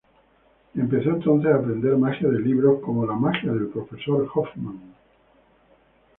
Empezó entonces a aprender magia de libros como "La magia del Profesor Hoffmann".